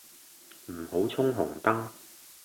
唔好衝紅燈